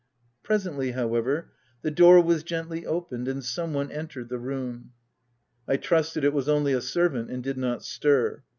Presently, however, the door was gently opened and some one entered the room. I trusted it was only a servant, and did not stir.